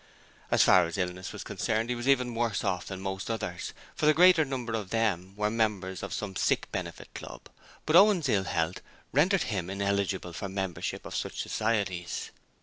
As far as illness was concerned, he was even worse off than most others, for the greater number of them were members of some sick benefit club, but Owen's ill health rendered him ineligible for membership of such societies.